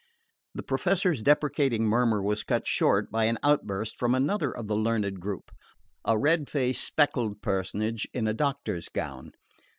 The Professor's deprecating murmur was cut short by an outburst from another of the learned group, a red faced spectacled personage in a doctor's gown.